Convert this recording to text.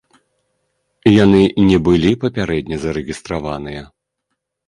Яны не былі папярэдне зарэгістраваныя.